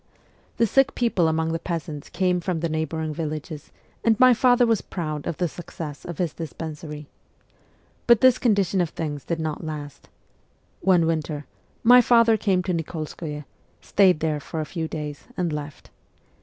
The sick people among the peasants came from the neighbouring villages, and my father was proud of the success of his dispensary. But this condition of things CHILDHOOD 67 did not last. One winter, my father came to Nik61skoye, stayed there for a few days, and left.